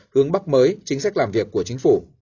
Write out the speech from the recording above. hướng bắc mới chính sách làm việc của chính phủ